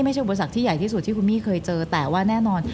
อุปสรรคที่ใหญ่ที่สุดที่คุณมี่เคยเจอแต่ว่าแน่นอน